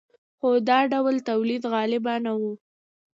خو دا ډول تولید غالب نه و.